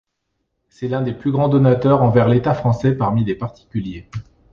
C'est l'un des plus grands donateurs envers l'État français parmi les particuliers.